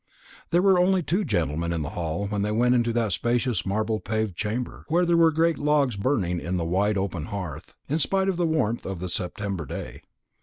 There were only two gentlemen in the hall when they went into that spacious marble paved chamber, where there were great logs burning on the wide open hearth, in spite of the warmth of the September day.